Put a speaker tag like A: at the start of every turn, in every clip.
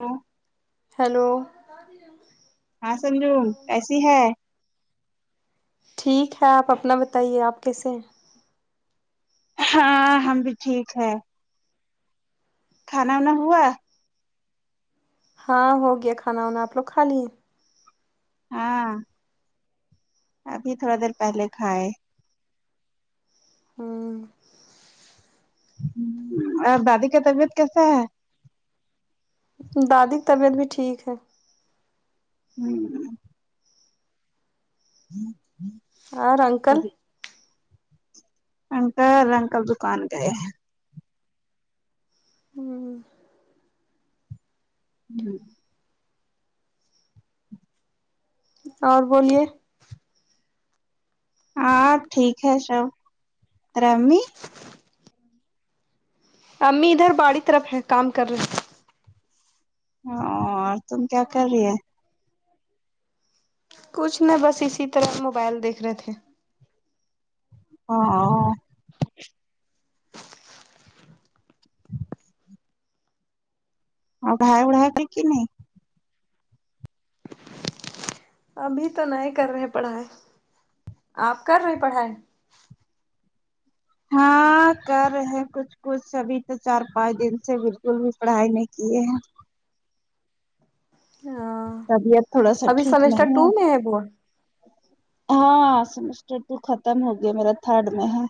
A: hello
B: hello
A: ہاں سنجو کیسی ہے
B: ٹھیک ہے آپ اپنا بتائیے آپ کیسے ہیں
A: ہاں ہم بھی ٹھیک ہے کھانا وانا ہوا
B: ہاں ہو گیا کھانا وانا آپ لوگ کھا لیے
A: ہاں ابھی تھوڑا دیر پہلے کھائے
B: ہمم
A: اور دادی کا طبیعت کیسا ہے
B: دادی کی طبیعت بھی ٹھیک ہے
A: ہوں
B: اور انکل
A: انکل انکل دکان گئے ہیں ہوں
B: اور بولیے
A: ہاں ٹھیک ہے شب تیرا امی
B: امی ادھر باڑی طرف ہے کام کر رہے
A: ہاں اورتم کیا کر رہی ہے
B: کچھ نا بس اسی طرح موبائل دیکھ رہے تھے
A: ہاں اور گھا وڑا پیک نہیں
B: ابھی تو نہیں کر رہے پڑھائی آپ کر رہے پڑھائی
A: ہاں کر رہے ہیں کچھ کچھ ابھی تو چار پانچ دن سے بالکل بھی پڑھائی نہیں کیے ہیں
B: ہاں
A: طبیعت تھوڑا سا
B: ابھی
A: ٹھیک
B: سمسٹر
A: نہیں ہے
B: ٹو میں وہ
A: ہاں سمسٹر تو ختم ہو گیا میرا تھرڈ میں ہے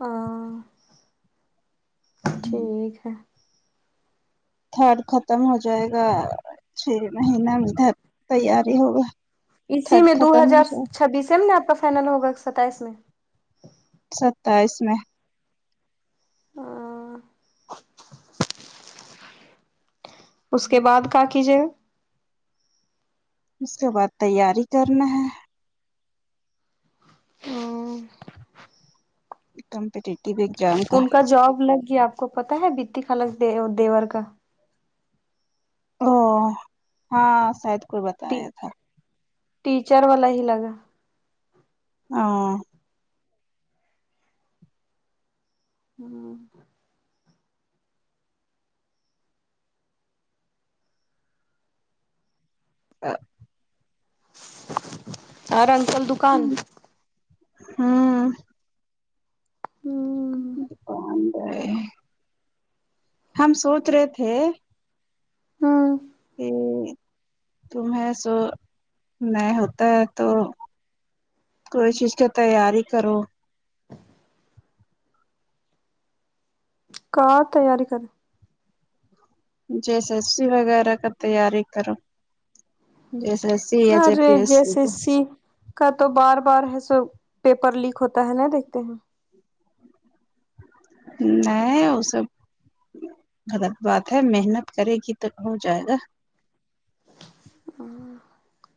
B: ہاں ٹھیک ہے
A: تھرڈ ختم ہو جائے گا چھ مہینہ تیاری ہوگا
B: اسی
A: تھرڈ
B: میں دو
A: ختم ہو
B: ہزار
A: جائے
B: چھبیس سے میں نا آپ کا فائنل ہوگا ستائیس میں
A: ستائیس میں
B: ہاں، اس کے بعد کا کیجیے
A: اس کے بعد تیاری کرنا ہے کمپٹی
B: ان کا جاب لگ گیا آپ کو پتا ہے بتی خالہ کہ دیور کا
A: او ہاں ساید کو بتایا تھا
B: ٹیچر والا ہی لگا
A: ہاں
B: ہوں
A: آں
B: اور انکل دکان
A: ہوں
B: ہوں
A: دکان گئے ہم سوچ رہے تھے
B: ہوں
A: کہ تم ہے سو نہیں ہوتا ہے تو کوئی چیز کا تیاری کرو
B: کا تیاری کر
A: جیسے ایسی وغیرہ کا تیاری کرو
B: ارے جیسے
A: [unintelligible]
B: سی کا تو بار بار ہے سو پیپر لیک ہوتا ہے نا دیکھتے ہیں
A: نئے ہو سب غلط بات ہے محنت کرے گی تب ہو جائے گا
B: [inaudible]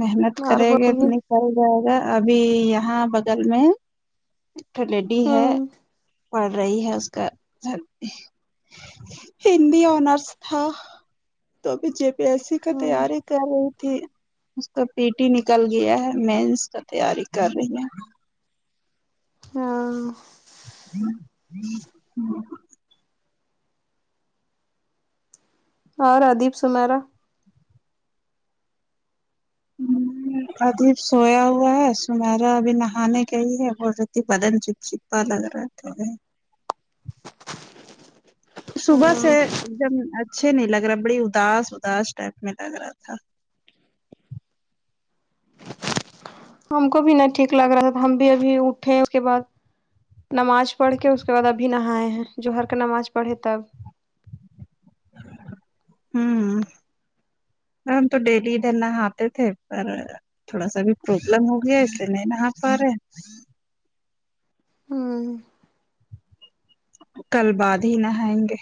A: محنت
B: اور
A: کرے گے ا
B: بولیے
A: نکل جائے گا ابھی یہاں بغل میں کلیڈی ہے
B: ہوں
A: پڑھ رہی ہے اس کا ہندی آنرس تھا تو بی جے پی ای سی کا
B: ہوں
A: تیاری کر رہی تھی اس کا پیٹی نکل گیا ہے مینس کا تیاری کر رہی ہے
B: ہاں اور ادیپ سمیرا
A: ادھیب سویا ہوا ہے سمیرا ابھی نہانے گئی ہے بول رہی تھی بدن چیپ چپ پالگ رہا ہے صبح سے
B: ہاں
A: ایک دم اچھے نہیں لگ رہا بڑی اداس اداس ٹائپ میں لگ رہا تھا
B: ہم کو بھی نہ ٹھیک لگ رہا تھا ہم بھی ابھی اٹھے اس کے بعد نماج پڑھ کے اس کے بعد ابھی نہائے ہیں جو ہر کا نماز پڑھے تب
A: ہم تو ڈیلی ادھر نہاتے تھے پر تھوڑا سا بھی پروبلم ہو گیا ہے اسلئے نہیں نہ پا رہے
B: ہاں
A: کل بعد ہی نہاینگے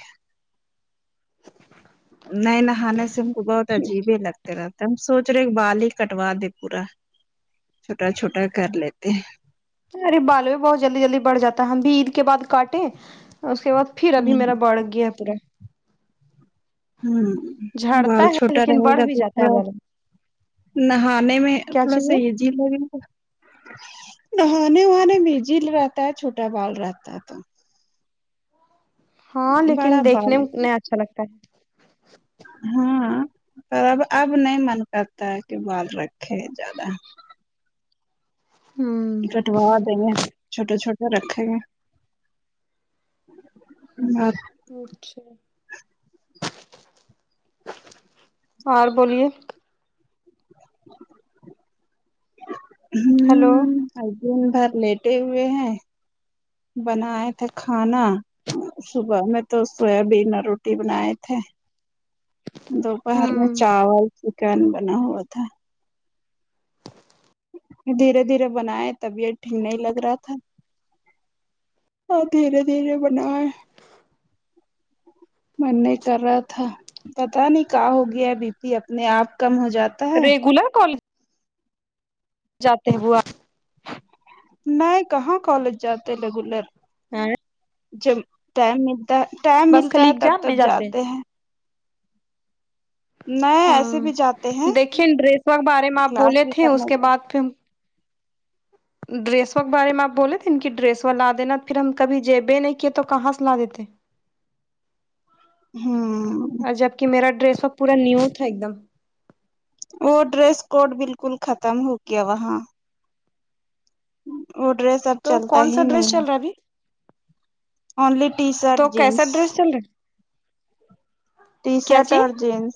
A: نئے نہانے سے ہم کو بہت عجیب ہی لگتے رہتے ہم سونچ رہے بال ہی کٹوا دے پورا چھوٹا چھوٹا کر لیتے ہیں
B: تمھارے بال بھی بہت جلدی جلدی بڑھ جاتا ہم بھی عید کے بعد کاٹے اس کے بعد پھر
A: ہیں
B: ابھی
A: ہ
B: میرا بڑھ گیاہے پورے
A: ہم بال
B: جھڑتا ہے
A: چھوٹا
B: لیکن
A: رہے
B: بڑھ
A: گا
B: بھی
A: تو
B: جاتا ہے
A: تھوڑا
B: بالوں
A: نہانے میں
B: کیا
A: تھوڑا سا
B: چاہیے
A: یہ جیل لگے نہانے وہان مجل رہتا ہے چھوٹا بال رہتا تھا
B: ہاں
A: تو
B: لیکن
A: بڑا
B: دیکھنے
A: بال
B: مے اچھا لگتا ہے
A: ہاں پر اب اب نہیں من کرتا ہے کہ بال رکھے زیادہ
B: ہمم
A: کٹوا دیںگے چھوٹے چھوٹے رکھے گے ناپ
B: اچھا اور بولیے
A: ہ
B: ہیلو
A: دن بھر لیٹے ہوئے ہیں بناائے تھے کھانا صبح میں تو سویابین اور روٹی بنائے تھے دوپہر میں
B: ہوں
A: چاول چکن بنا ہوا تھا دھیرے دھیرے بنائے طبیعت ٹھیک نہیں لگ رہا تھا دھیرے دھیرے بنائے من نہیں کر رہا تھا پتا نہیں کا ہو گیا بی پی اپنے آپ کم ہو جاتا ہے
B: ریگولر کال جاتے ہوا
A: میں کہاں کالج جاتے ریگولر
B: ہاں
A: جب ٹائم ملتا ہے ٹائم
B: بس
A: ملتا
B: خالی
A: ہے تب
B: ایگزام
A: تب
B: میں
A: جاتے ہیں نہیں
B: ہاں
A: ایسے بھی جاتے ہیں
B: دیکھیے ڈریسور کے بارے میں اپ
A: کلاس
B: بولے
A: بھی
B: تھے اس
A: کرنے
B: کے
A: جا
B: بعد پھر ڈریسوں کے بارے میں اپ بولے تھے ن کہ ڈریس وال لا دینا پھر ہم کبھی جبے نہیں کہ تو کہاں سے لا دیتے
A: ہوں
B: اور جب کی میرا ڈریسوا پورا نیو تھا ایک دم
A: وہ ڈریس کوڈ بالکل ختم ہو گیا وہاں وہ ڈریس سب
B: تو
A: چلتا
B: کون
A: ہی
B: سا ڈریس
A: نہیں ہے
B: چل رہا ابھی
A: اونلی ٹی شرٹ
B: تو
A: جینس
B: کیسا ڈریس چل رہا
A: ٹی
B: ہے کیا
A: شرٹ اور
B: چیز
A: جیینس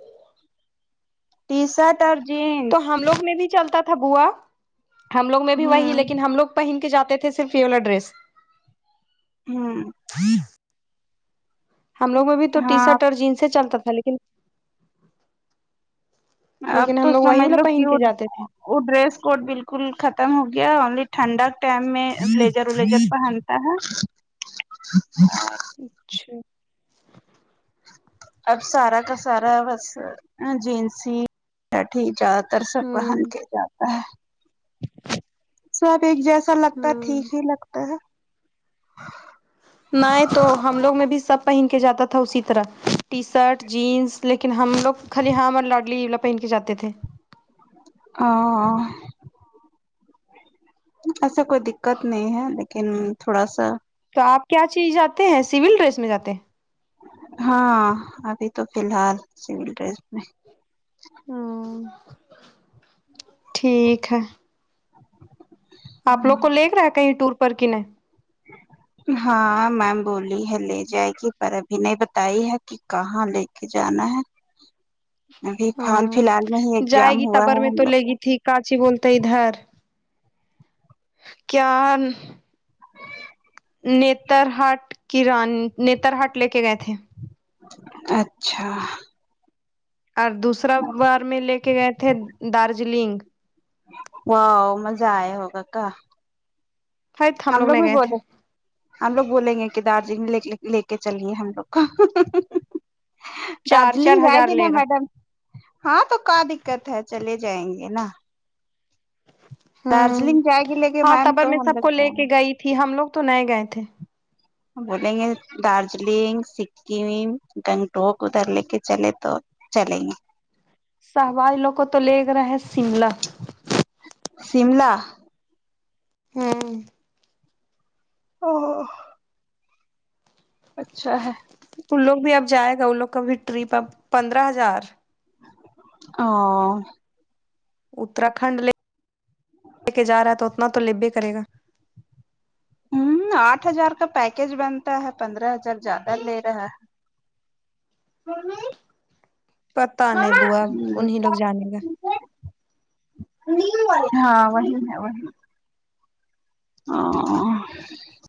A: ٹی شرٹ اور جینس
B: تو ہم لوگ میں بھی چلتا تھا بووا ہم لوگ میں بھی وہی
A: ہوں
B: لیکن ہم لوگ پہن کے جاتے صرفی والا ڈریس
A: ہمم
B: ہم لوگ میں بھی تو ٹی
A: ہاں
B: شرٹ اور جینس ہی چلتا تھا لیکن
A: اب
B: لیکن
A: تو
B: ہم لوگ وہی
A: سمجھ
B: والا
A: لو
B: پہن کے
A: کیوٹ
B: جاتے تھے
A: ہو وہ ڈریس کوڈ بالکل ختم ہو گیا انلی ٹھنڈا کے ٹائم میں بلیزر ولیزر پہن تا ہے
B: اچھا
A: اب سارا کا سارا بس جینسی بیٹھی جات دراصل پہن
B: ہوں
A: کے جاتا ہے سب ایک جیسا لگتا ٹھیک
B: ہوں
A: ہی لگتا ہے
B: نائ تو ہم لوگ میں بھی سب پہن کے جاتا تھا اسی طرح ٹی شرٹ جینس لیکن ہم لوگ خالی ہاں ہم اور لاڈلییولا پہن کے جاتے تھے
A: ہاں ایسا کوئی دقت نہیں ہے لیکن تھوڑا سا
B: تو اپ کیا چیز جاتے ہیں سیول ڈریس میں جاتے ہیں
A: ہاں ابھی تو فی الحال سول ڈریس میں
B: ہاں ٹھیک ہے آپ لوگ کو لکھ رہا کہیں ٹور پر کی نہیں
A: ہاں مام بولی ہے لے جائے گی پر ابھی نہیں بتائی ہے کہ کہاں لے کے جانا ہے ابھی حال
B: ہاں
A: فی الحال میں ہی
B: جائے
A: ایگزام
B: گی
A: ہوا
B: تبر
A: ہے
B: میں
A: ہم
B: تو
A: لوگ
B: لے گی
A: کو
B: ٹھیک کاچی بولتے ادھر کیا نیتر ہاٹ کی رانی نیتر ہاٹ لے کے گئے تھے
A: اچھا
B: اور دوسرا بار میں لے کے گئے تھے دارجلنگ
A: واؤ مزہ آئے ہوگا کا
B: ہیت
A: ہم لوگ
B: نہیں
A: بھی
B: گئے تھے
A: بولے ہم لوگ بولیں گے کہ دارجلنگ میں لے کے چلے ہم لوگ کا
B: چار چار
A: دارجلگ جائے
B: ہزار
A: گی
B: لے
A: نا
B: گا
A: میڈم ہاں تو کا دکت ہے چلے جائیں گے نا
B: ہوں
A: دارجلنگ جائے گی لے کے میم تو ہم لوگ
B: کہ گئی تھی ہم لوگ تو نئے گئے تھے
A: بولیں گے دارجلنگ سکم گنٹوک ادھر لے کے چلے تو چلیں گے
B: سوال لو کو تو لے رہا ہے شملہ
A: شملہ
B: ہم
A: وہ اچھا ہے
B: ان لوگ بھی اب جائے گا ان لوگ کا بھی ٹرپ اب پندرہ ہزار
A: ا
B: اتراکھنڈ لے لے کے جا رہا ہے تو اتنا تو لبے کرے گا
A: ہم اٹھ ہزار کا پیکج بنتا ہے پندرہ ہزار زیادہ لے رہا ہے ممی
B: پتا نہیں بوا انہی لوگ جانے گا
A: ہاں وہی ہے وہی ہاں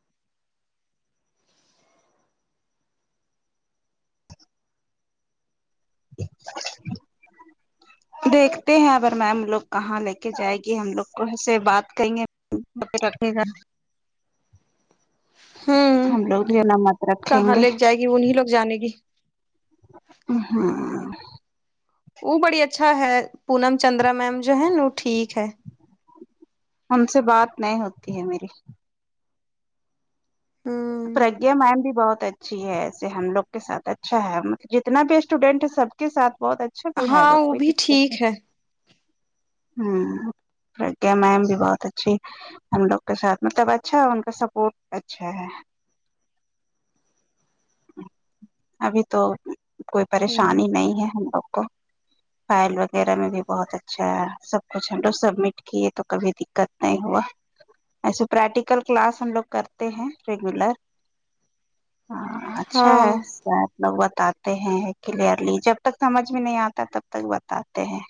A: دیکھتے ہیں اگر میم لوگ کہاں لے کے جائے گی ہم لوگ کو سے بات کریں گے رکھنے کا
B: ہوں
A: ہم لوگ جو نہ
B: کہاں لے کے جائے گی انہیں لوگ جانے گی
A: ہاں
B: وہ بڑی اچھا ہے پونم چندرا میم جو ہے نا وہ ٹھیک ہے
A: ان سے بات نہیں ہوتی ہے میری
B: ہوں
A: پرگیہ میم بھی بہت اچ اچھی ہے ایسے ہم لوگ کے سات اچھا ہے جتنا بھی اسٹوڈینٹ ہے سب کے ساتھ بہت اچھ
B: ہاں وہ بھی ٹھیک ہے
A: ہم پرگیا میم بھی بہت اچھی ہم لوگ کے ساتھ مطلب اچھا ان کا سپورٹ اچھا ہے ابھی تو کوئی پریشانی نہیں ہے ہم لوگ کو فائل وغیرہ میں بھی بہت اچھا ہے سب کچھ لو سبمٹ کیے تو کبھی دقت نہیں ہوا ایسے پریکٹیکل کلاس ہم لوگ کرتے ہیں ریگولر ہاں اچھا
B: ہاں
A: ہے بتاتے ہیں کلیئرلی جب تک سمجھ میں نہیں اتا تب تک بتاتے ہیں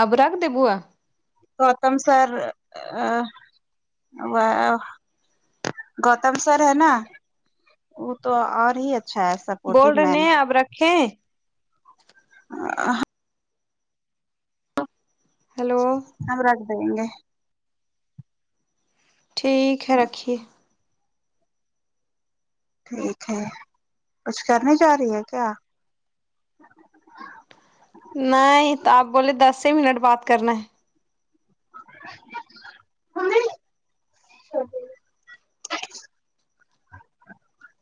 B: اب رکھ دے بوا
A: گوتم سر ا وہ گوتم سر ہے نا وہ تو اور ہی اچھا ہے سپورٹو
B: وارڈ نے
A: مین ہے
B: اب رکھے
A: ہاں
B: ہیلو
A: ہم رکھ دینگے
B: ٹھیک ہے رکھیے
A: ٹھیک ہے کچھ کرنے جا رہی ہے کیا
B: نہیں تو آپ بولے دس ہی منٹ بات کرنا ہے
A: کیا
B: ا [inaudible]